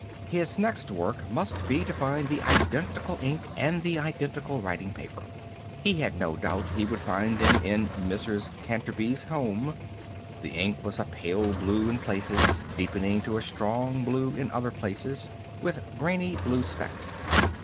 His next work must be to find the identical ink and the identical writing paper. He had no doubt he would find them in Mrs. Canterby's home. The ink was a pale blue in places, deepening to a strong blue in other places, with grainy blue specks.